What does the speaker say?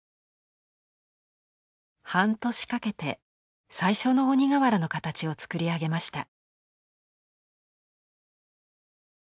半年かけて最初の鬼瓦の形をつくり上げました。